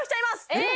えっ！